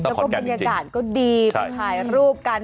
แล้วก็บรรยากาศก็ดีไปถ่ายรูปกัน